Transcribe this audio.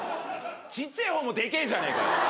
ちっちぇえ方もでけえじゃねえかよ